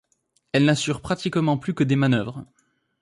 Elles n'assurent pratiquement plus que des manœuvres.